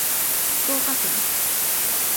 福岡県